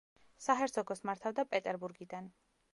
საჰერცოგოს მართავდა პეტერბურგიდან.